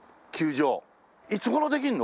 いつ頃できるの？